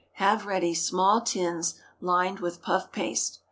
Have ready small tins lined with puff paste.